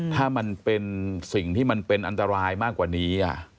ถ้ามันเป็นสิ่งที่มันเป็นอันตรายมากกว่านี้